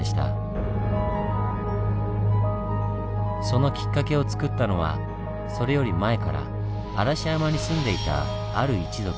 そのきっかけをつくったのはそれより前から嵐山に住んでいたある一族。